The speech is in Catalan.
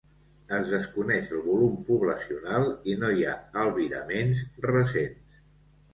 Es desconeix el volum poblacional i no hi ha albiraments recents.